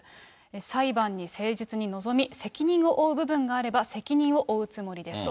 裁判に誠実に臨み、責任を負う部分があれば責任を負うつもりですと。